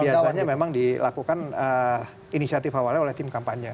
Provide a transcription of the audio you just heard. biasanya memang dilakukan inisiatif awalnya oleh tim kampanye